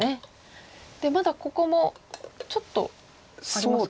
でまだここもちょっとありますか？